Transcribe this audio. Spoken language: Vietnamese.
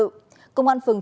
công an phường sáu nhanh chóng